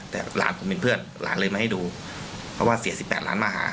แต่หลานผมเป็นเพื่อนหลานเลยมาให้ดูเพราะว่าเสีย๑๘ล้านมาหา